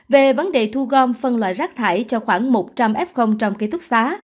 về vấn đề thu gom phân loại rác thải cho khoảng một trăm linh f trong ký túc xá